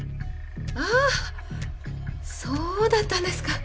ああそうだったんですか。